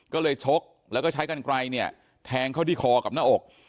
ก็เลยชกแล้วก็ใช้กันไกลเนี่ยแทงเข้าที่คอกับหน้าอก